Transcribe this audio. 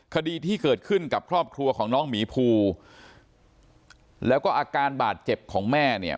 คดีที่เกิดขึ้นกับครอบครัวของน้องหมีภูแล้วก็อาการบาดเจ็บของแม่เนี่ย